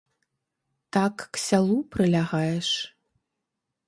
Так к сялу прылягаеш?